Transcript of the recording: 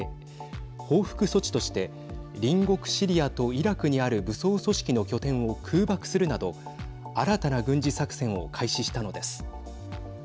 報復措置として隣国シリアとイラクにある武装組織の拠点を空爆するなど新たな軍事作戦を開始したのです。